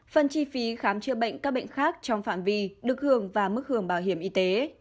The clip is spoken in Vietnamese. phần chi phí khám chữa bệnh các bệnh khác trong phạm vi được hưởng và mức hưởng bảo hiểm y tế